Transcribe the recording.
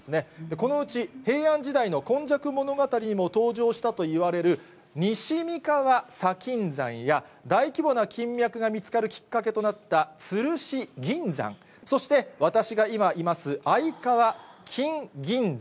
このうち平安時代の今昔物語にも登場したといわれる、西三川砂金山や、大規模な金脈が見つかるきっかけとなった鶴子銀山、そして、私が今います、相川金銀山。